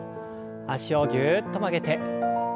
脚をぎゅっと曲げて。